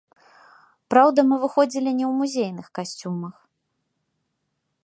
Праўда, мы выходзілі не ў музейных касцюмах.